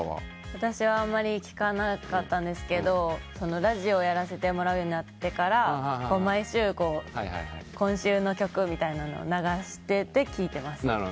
私はあんまり聴かなかったんですけどラジオをやらせてもらうようになってから毎週「今週の曲」みたいなのを流してて聴いてます。